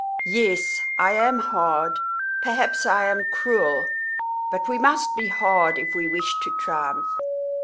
"Yes, I am hard; perhaps I am cruel; but we must be hard if we wish to triumph.